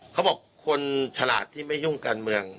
เขาบอกคนฉลาดที่ไม่ยุ่งการเมือง